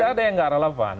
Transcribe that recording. ada yang nggak relevan